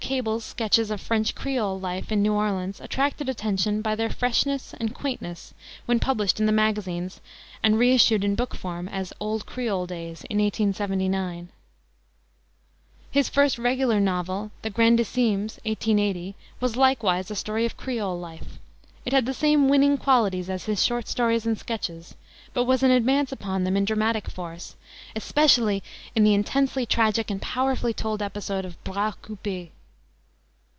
Cable's sketches of French Creole life in New Orleans attracted attention by their freshness and quaintness when published in the magazines and re issued in book form as Old Creole Days, in 1879. His first regular novel, the Grandissimes, 1880, was likewise a story of Creole life. It had the same winning qualities as his short stories and sketches, but was an advance upon them in dramatic force, especially in the intensely tragic and powerfully told episode of "Bras Coupe."